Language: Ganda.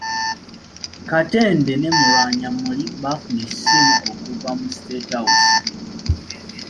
Katende ne Mulwanyammuli bafuna essimu okuva mu State House